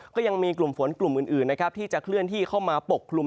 ก็ยังมีกลุ่มฝนกลุ่มอื่นนะครับที่จะเคลื่อนที่เข้ามาปกคลุม